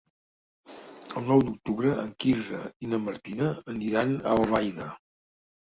El nou d'octubre en Quirze i na Martina aniran a Albaida.